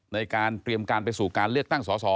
ในการเตรียมการไปสู่การเลือกตั้งสอสอ